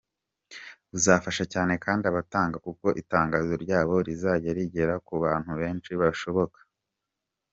Buzafasha cyane kandi abagatanga kuko itangazo ryabo rizajya rigera ku bantu benshi bashoboka.